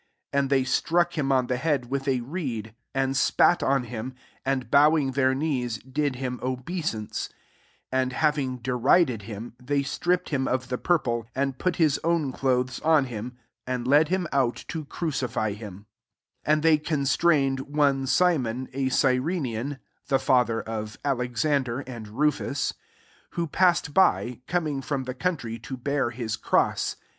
19 And they struQk him on the head with a reed, and spat on ♦9 102 MAJIK XVI. him, and» bowing t)ke»r ki^j^s, did him obeisance, i^ M^ having derided kimj they strip ped him of the purple^ and put ^his own] clothes on hiiq^ ; and led him out to crucify hiQi* £i And they constrained oi^e Simon, a Cyrenian, (the father of Alexander and' Sufu^j) who passed by, coming from the country, to bear hi^ 6ross.